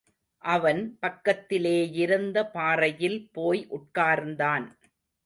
அவன், பக்கத்திலேயிருந்த பாறையில் போய் உட்கார்ந்தான்.